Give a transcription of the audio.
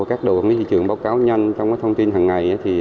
các đội mỹ thị trường báo cáo nhanh trong cái thông tin hàng ngày